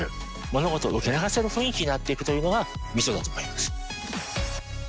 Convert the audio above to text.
物事を受け流せる雰囲気になっていくというのがミソだと思います。